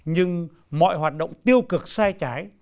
nhưng mọi hoạt động tiêu cực sai trái